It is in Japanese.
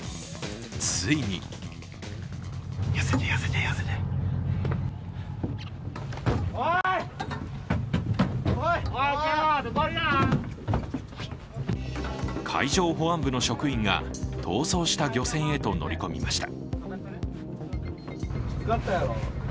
ついに海上保安部の職員が逃走した漁船へと乗り込みました。